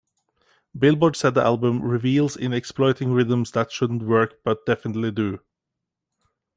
"Billboard" said the album "revels in exploiting rhythms that shouldn't work-but definitely do".